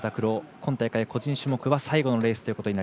今大会個人種目は最後のレース。